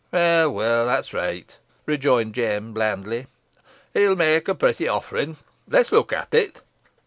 "Weel, weel, that's reet," rejoined Jem, blandly, "it'll may a protty offering. Let's look at it."